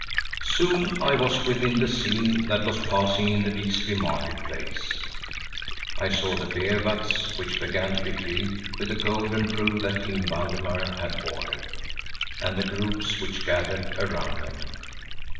Soon I was within the scene that was passing in the Visby market place. I saw the beer vats which began to be filled with the golden brew that King Valdemar had ordered, and the groups which gathered around them.